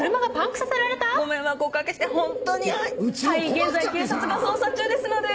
現在警察が捜査中ですので。